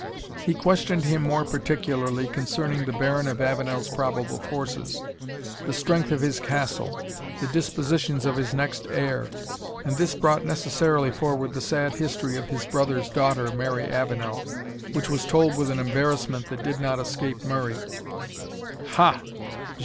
He questioned him more particularly concerning the Baron of Avenel's probable forces the strength of his castle the dispositions of his next heir, and this brought necessarily forward the sad history of his brother's daughter, Mary Avenel, which was told with an embarrassment that did not escape Murray. "Ha!